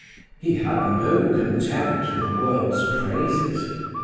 He had no contempt for the world's praises.